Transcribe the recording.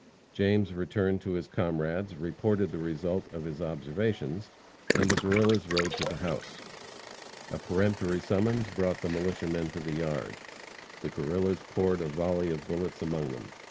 James returned to his comrades, reported the result of his observations, and the Guerrillas rode to the house. A peremptory summons brought the militiamen to the yard. The Guerrillas poured a volley of bullets among them.